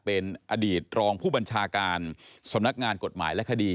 เป็นอดีตรองผู้บัญชาการสำนักงานกฎหมายและคดี